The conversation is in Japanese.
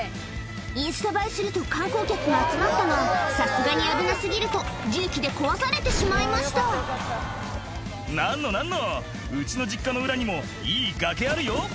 インスタ映えすると観光客が集まったがさすがに危な過ぎると重機で壊されてしまいました「何の何の！」「うちの実家の裏にもいい崖あるよ」